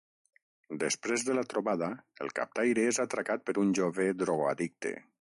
Després de la trobada el captaire és atracat per un jove drogoaddicte.